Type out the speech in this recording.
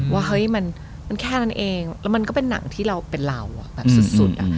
ว่าเฮ้ยมันแค่นั้นเองแล้วมันก็เป็นหนังที่เราเป็นเราแบบสุด